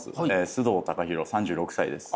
須藤貴弘３６歳です。